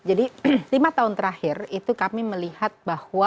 jadi lima tahun terakhir itu kami melihat bahwa